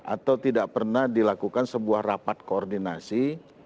atau tidak pernah dilakukan sebuah rapat koordinasi